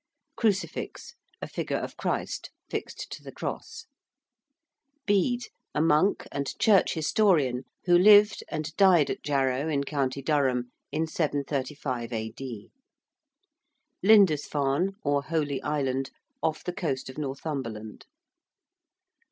~crucifix~: a figure of Christ fixed to the cross. ~Bede~: a monk and Church historian who lived and died at Jarrow in county Durham in 735 A.D. ~Lindesfarne~, or Holy Island, off the coast of Northumberland.